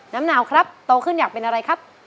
นาวครับโตขึ้นอยากเป็นอะไรครับ